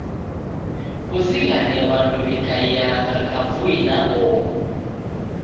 Kuzighane w'andu wi'kaiagha kavui na oho